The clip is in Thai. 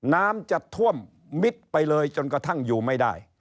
น้ำจะท่วมมิดไปเลยจนกระทั่งอยู่ไม่ได้